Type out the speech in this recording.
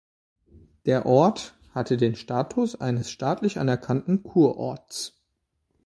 Der Ort hatte den Status eines staatliche anerkannten Kurorts.